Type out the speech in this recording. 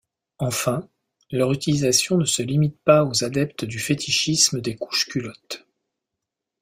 Enfin, leur utilisation ne se limite pas aux adeptes du fétichisme des couches-culottes.